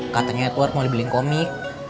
katanya edward mau dibeliin komik